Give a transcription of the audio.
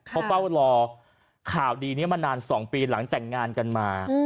เขาเฝ้ารอข่าวดีนี้มานาน๒ปีหลังแต่งงานกันมา